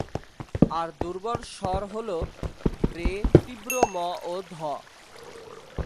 আর দুর্বল স্বর হ'ল- রে, তীব্র ম ও ধ।